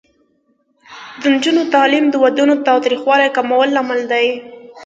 د نجونو تعلیم د ودونو تاوتریخوالي کمولو لامل دی.